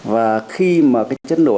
và khi mà cái chất nổ